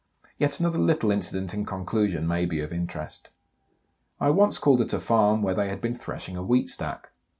Yet another little incident, in conclusion, may be of interest. I once called at a farm where they had been threshing a wheat stack.